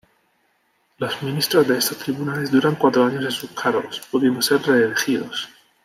Los ministros de estos tribunales duran cuatro años en sus cargos, pudiendo ser reelegidos.